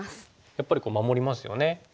やっぱり守りますよね。